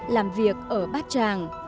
làm việc ở bát tràng